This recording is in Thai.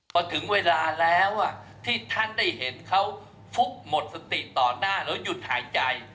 พอถึงเวลาแล้วที่ท่านได้เห็นเขาฟุบหมดสติต่อหน้าแล้วหยุดหายใจ